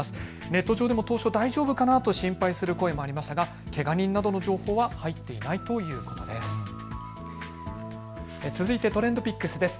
ネット上でも当初、大丈夫かなという声もありましたがけが人などの情報は入っていないということです。